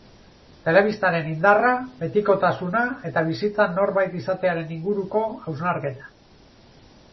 Telebistaren indarra, betikotasuna, eta bizitzan norbait izatearen inguruko hausnarketa.